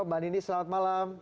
mbak nini selamat malam